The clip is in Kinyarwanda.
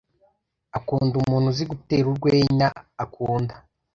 akunda umuntu uzi gutera urwenya, akunda